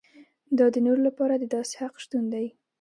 دا د نورو لپاره د داسې حق شتون دی.